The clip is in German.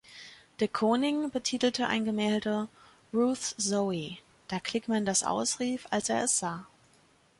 De Kooning betitelte ein Gemälde „Ruth's Zowie,"da Kligman das ausrief, als er es sah.